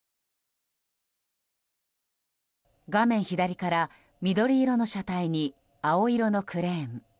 画面左から緑色の車体に青色のクレーン。